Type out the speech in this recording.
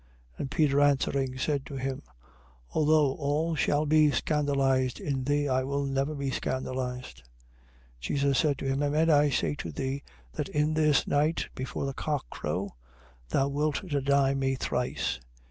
26:33. And Peter answering, said to him: Although all shall be scandalized in thee, I will never be scandalized. 26:34. Jesus said to him: Amen I say to thee that in this night before the cock crow, thou wilt deny me thrice.